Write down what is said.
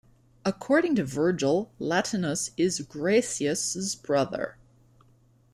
According to Virgil, Latinus is Graecus's brother.